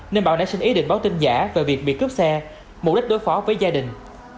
nên bảo đã xin ý định báo tin giả về việc bị cướp xe mục đích đối phó với gia đình